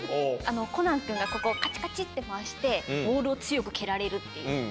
コナン君がここをカチカチって回してボールを強く蹴られるっていう。